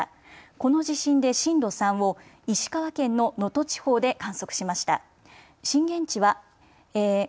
この地震で震度３を石川県の能登地方で観測しました。